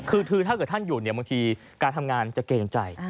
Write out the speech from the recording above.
คือถ้าเกิดท่านอยู่เนี่ยบางทีการทำงานจะเกรงใจ